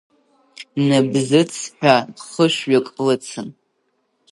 Набзыҭс ҳәа хышәҩык лыцын.